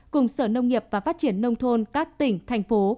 cùng sở nông nghiệp và phát triển nông thôn các tỉnh thành phố